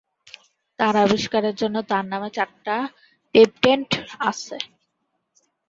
তার আবিস্কারের জন্য তার নামে চারটি পেটেন্ট আছে।